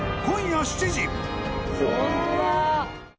今夜７時。